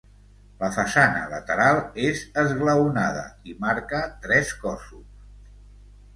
La façana lateral és esglaonada i marca tres cossos.